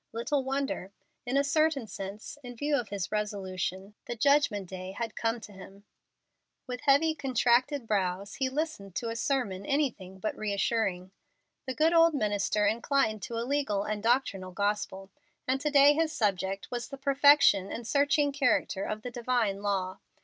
Little wonder. In a certain sense, in view of his resolution, the Judgment Day had come to him. With heavy, contracted brows he listened to a sermon anything but reassuring. The good old minister inclined to a legal and doctrinal gospel, and to day his subject was the perfection and searching character of the divine law.